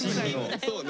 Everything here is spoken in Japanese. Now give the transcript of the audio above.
そうね。